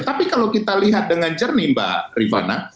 tapi kalau kita lihat dengan jernih mbak rifana